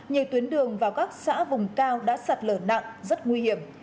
nhiều tuyến đường vào các xã vùng cao đã sạt lở nặng rất nguy hiểm